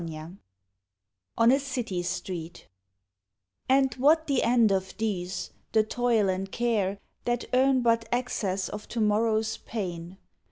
73 ON A CITY STREET And what the end of these, the toil and care That earn but access of to morrow s pain?